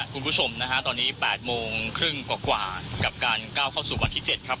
คุณผู้ชมนะฮะตอนนี้๘โมงครึ่งกว่ากับการก้าวเข้าสู่วันที่๗ครับ